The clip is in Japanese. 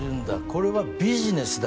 これはビジネスだ。